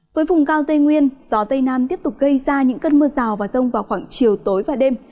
với vùng cao tây nguyên gió tây nam tiếp tục gây ra những cơn mưa rào và rông vào khoảng chiều tối và đêm